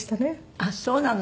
あっそうなの。